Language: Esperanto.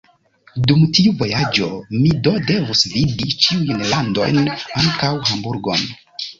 Dum tiu vojaĝo mi do devus vidi ĉiujn landojn, ankaŭ Hamburgon.